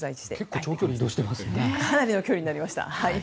かなりの距離になりました。